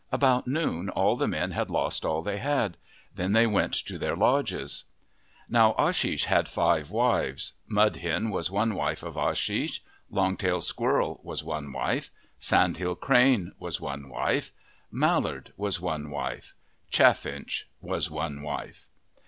About noon all the men had lost all they had. Then they went to their lodges. Now Ashish had five wives. Mud Hen was one wife of Ashish ; Long tail Squirrel was one wife ; Sandhill Crane was one wife ; Mallard was one wife ; Chaffinch was one wife.